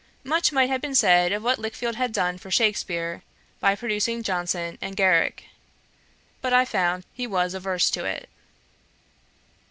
Much might have been said of what Lichfield had done for Shakspeare, by producing Johnson and Garrick. But I found he was averse to it.